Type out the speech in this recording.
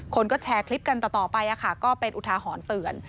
คนก็แชร์คลิปกันต่อไปก็เป็นอุทาหรณ์เตือน